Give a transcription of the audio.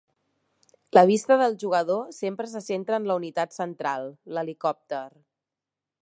La vista del jugador sempre se centra en la unitat central, l'helicòpter.